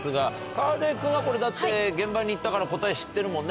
河出君はこれだって現場に行ったから答え知ってるもんね。